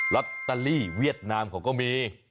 ลอตเตอรี่เวียดนามเขาก็มี